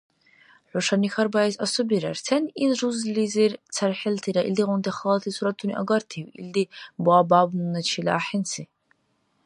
ХӀушани хьарбаэс асубирар «Сен ил жузлизир цархӀилтира илдигъунти халати суратуни агартив, илди баобабуначила ахӀенси?»